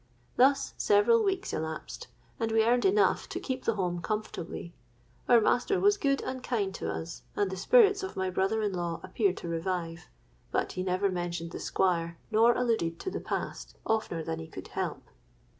Thus several weeks elapsed; and we earned enough to keep the home comfortably. Our master was good and kind to us; and the spirits of my brother in law appeared to revive. But he never mentioned the Squire, nor alluded to the past oftener than he could help.